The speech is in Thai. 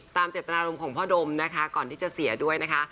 เจตนารมณ์ของพ่อดมนะคะก่อนที่จะเสียด้วยนะคะ